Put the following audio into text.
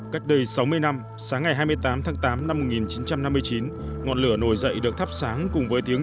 cách đây sáu mươi năm sáng ngày hai mươi tám tháng tám năm một nghìn chín trăm năm mươi chín ngọn lửa nổi dậy được thắp sáng cùng với tiếng